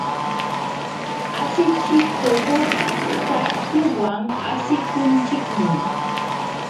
Asichikuq takiwan asikunchikmi.